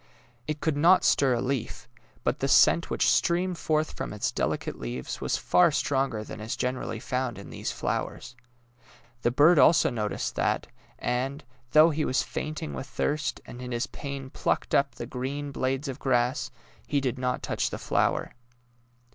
It could not stir a leaf; but the scent which streamed forth from its delicate leaves was far 198 DAISY AND SUNFLOWER stronger than is generally found in these flowers; the bird also noticed that, and, though he was fainting with thirst, and in his pain plucked up the green blades of grass, he did not touch the flower.